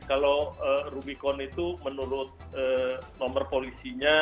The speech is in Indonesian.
kalau rubicon itu menurut nomor polisinya